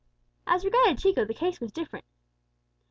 As regarded Chico, the case was different.